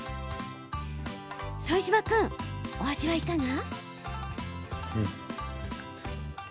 副島君、お味はいかが？